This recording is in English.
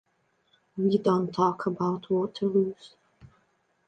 We don't talk about Waterloos.